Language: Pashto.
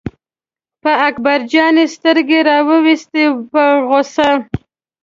په اکبر جان یې سترګې را وویستې په غوسه.